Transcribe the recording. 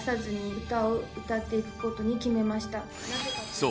そう。